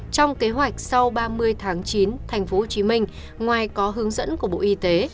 trong kế hoạch sau ba mươi tháng chín tp hcm ngoài có hướng dẫn của bộ y tế